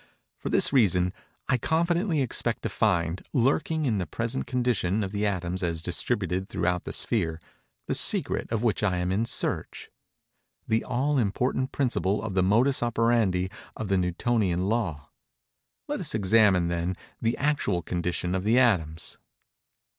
For this reason, I confidently expect to find, lurking in the present condition of the atoms as distributed throughout the sphere, the secret of which I am in search—the all important principle of the modus operandi of the Newtonian law. Let us examine, then, the actual condition of the atoms.